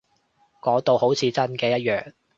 講到好似真嘅一樣